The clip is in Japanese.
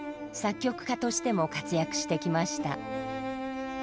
作曲家としても活躍してきました。